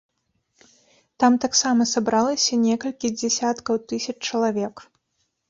Там таксама сабралася некалькі дзясяткаў тысяч чалавек.